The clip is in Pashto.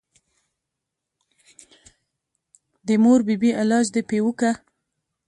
د مور بي بي علاج دې پې وکه.